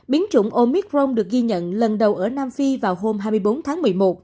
biến chủng omicron được ghi nhận lần đầu ở nam phi vào hôm hai mươi bốn tháng một mươi một